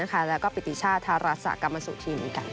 แล้วก็ปิติชาธาราชสากรรมสุธิ์เหมือนกันค่ะ